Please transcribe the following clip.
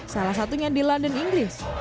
salah satunya di london inggris